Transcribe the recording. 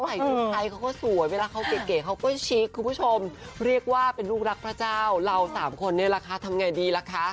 ชุดไทยเขาก็สวยเวลาเขาเก๋เขาก็ชิคคุณผู้ชมเรียกว่าเป็นลูกรักพระเจ้าเราสามคนนี่แหละคะทำไงดีล่ะคะ